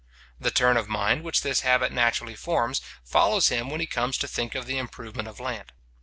The turn of mind which this habit naturally forms, follows him when he comes to think of the improvement of land.